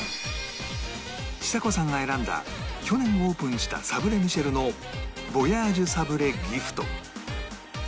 ちさ子さんが選んだ去年オープンしたサブレミシェルのヴォヤージュサブレギフト